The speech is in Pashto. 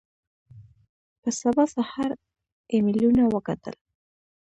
په سبا سهار ایمېلونه وکتل.